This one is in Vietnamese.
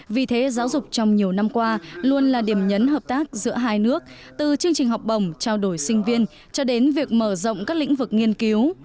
vì thế giáo dục trong nhiều năm qua luôn là điểm nhấn hợp tác giữa hai nước từ chương trình học bồng trao đổi sinh viên cho đến việc mở rộng các lĩnh vực nghiên cứu